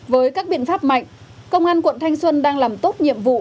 với các biện pháp mạnh công an quận thanh xuân đang làm tốt nhiệm vụ